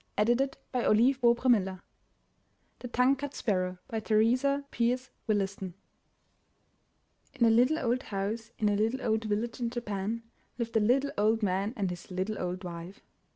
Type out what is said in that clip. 62 UP ONE PAIR OF STAIRS THE TONGUE CUT SPARROW* Teresa Peirce Williston In a little old house in a little old village in Japan, lived a little old man and his little old wife.